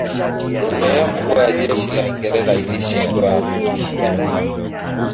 sehemu kubwa ya jeshi la Uingereza ilishindwa